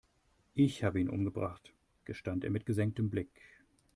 Ich habe ihn umgebracht, gestand er mit gesenktem Blick.